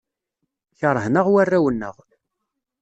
Keṛhen-aɣ warraw-nneɣ.